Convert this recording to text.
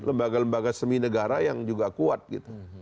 lembaga lembaga semi negara yang juga kuat gitu